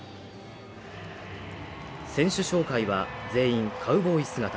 選手紹介は全員カウボーイ姿。